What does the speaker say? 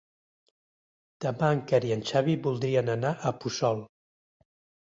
Demà en Quer i en Xavi voldrien anar a Puçol.